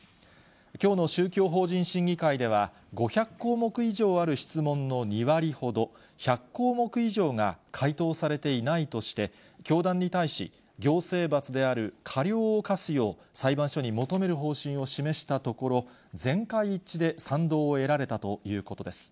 きょうの宗教法人審議会では５００項目以上ある質問の２割ほど、１００項目以上が回答されていないとして、教団に対し、行政罰である過料を科すよう、裁判所に求める方針を示したところ、全会一致で賛同を得られたということです。